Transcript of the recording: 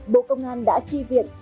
bộ công an đã tri viện